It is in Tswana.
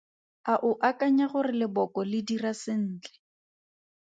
A o akanya gore leboko le dira sentle?